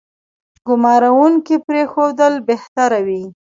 ګومارونکو پرېښودل بهتره وي.